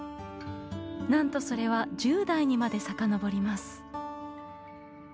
なんとそれは１０代にまで遡ります。